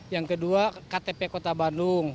yang kedua ktp kota bandung